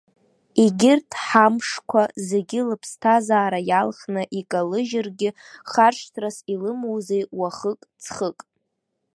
Егьырҭ ҳамшқәа зегьы лыԥсҭазаара иалхны икалыжьыргьы, харшҭшьас илымоузеи уахык, ҵхык.